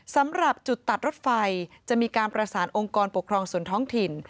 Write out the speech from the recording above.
สำหรับจุดตัดรถไฟจะมีการประสานองค์กรปกครองส่วนท้องถิ่น